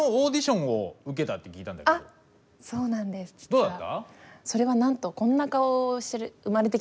どうだった？